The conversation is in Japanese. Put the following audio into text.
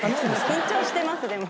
緊張してますでも。